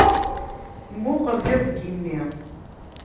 Mmuqqel tiẓgi-nni!